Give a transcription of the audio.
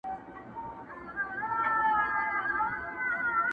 د هندوستان نجوني لولي بند به دي کړینه.!